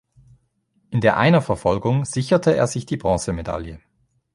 In der Einerverfolgung sicherte er sich die Bronzemedaille.